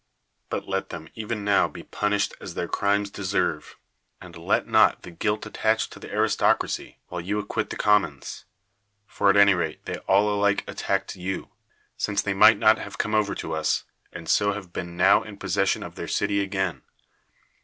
But let them even now be punished as their crimes deserve; and let not the guilt attach to the aristocracy, while you acquit the commons. For at any rate they all alike attacked you; since they might have come over to us, and so have been now in possession of their city again.